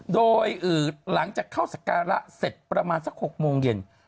โดยหลังจากเข้าสการะเสร็จประมาณสัก๖โมงเย็น